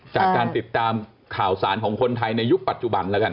จากการติดตามข่าวสารของคนไทยในยุคปัจจุบันแล้วกัน